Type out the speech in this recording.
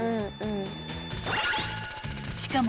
［しかも］